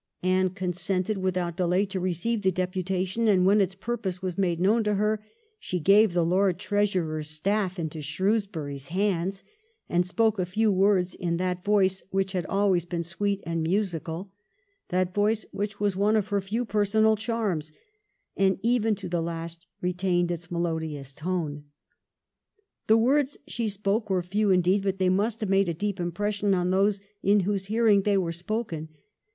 Anne consented without delay to receive the deputation, and when its purpose was made known to her she gave the Lord Treasurer's stafi into Shrewsbury's hands, and spoke a few words in that voice which had always been sweet and musical — that voice which was one of her few personal charms — and even to the last retained its melodious tone. The words she spoke were few indeed, but they must have made a deep impression on those in whose hearing they were spoken.